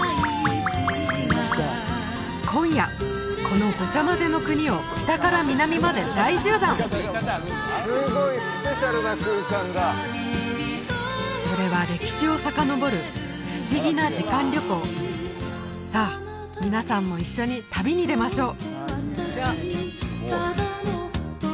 今夜このごちゃまぜの国を北から南まで大縦断すごいスペシャルな空間だそれは歴史をさかのぼる不思議な時間旅行さあ皆さんも一緒に旅に出ましょう！